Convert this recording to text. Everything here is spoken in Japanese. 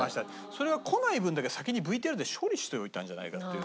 それが来ない分だけ先にＶＴＲで処理しておいたんじゃないかっていう。